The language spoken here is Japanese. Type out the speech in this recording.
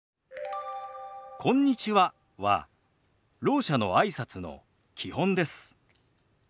「こんにちは」はろう者のあいさつの基本です。